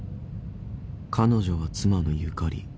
［彼女は妻のゆかり］